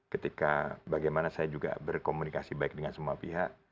ketika bagaimana saya juga berkomunikasi baik dengan semua pihak